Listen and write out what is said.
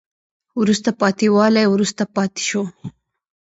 وروسته پاتې والی وروسته پاتې شوه